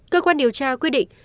cơ quan điều tra quyết định